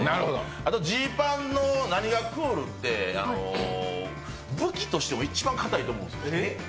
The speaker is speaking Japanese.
あとジーパンの何がクールって武器としても一番硬いと思うんですよ。